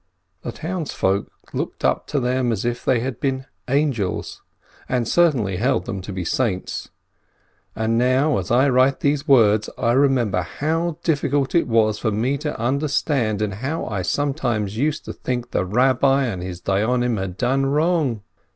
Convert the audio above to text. The townsfolk looked up to them as if they had been angels, and certainly held them to be saints. And now, as I write these words, I remember how difficult it was for me to understand, and how I sometimes used to think the Kabbi and his Dayonim had done wrong.